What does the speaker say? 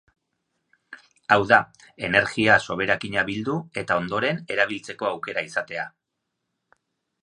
Hau da, energia-soberakina bildu, eta ondoren, erabiltzeko aukera izatea.